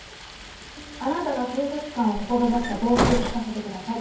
あなたが警察官を志した動機を聞かせてください。